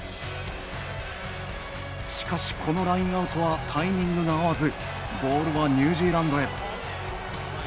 しかし、このラインアウトはタイミングが合わずボールはニュージーランドへ。